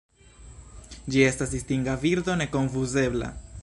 Ĝi estas distinga birdo nekonfuzebla.